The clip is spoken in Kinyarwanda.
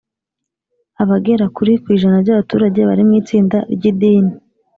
Abagera kuri ku ijana by abaturage bari mu itsinda ry idini